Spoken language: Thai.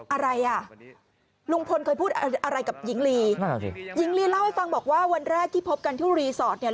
อะไรอ่ะลุงพลเคยพูดอะไรกับหญิงลีหญิงลีเล่าให้ฟังบอกว่าวันแรกที่พบกันที่รีสอร์ทเนี่ย